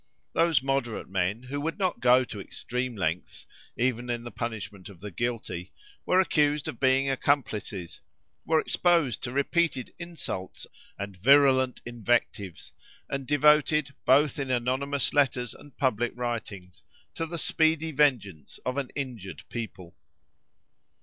Those moderate men, who would not go to extreme lengths, even in the punishment of the guilty, were accused of being accomplices, were exposed to repeated insults and virulent invectives, and devoted, both in anonymous letters and public writings, to the speedy vengeance of an injured people.